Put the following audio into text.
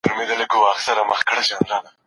په دغي کیسې کي یو حکمت دی.